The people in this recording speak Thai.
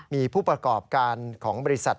มีผู้ประกอบการของบริษัท